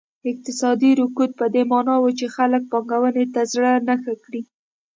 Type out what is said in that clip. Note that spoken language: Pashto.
اقتصادي رکود په دې معنا و چې خلک پانګونې ته زړه نه ښه کړي.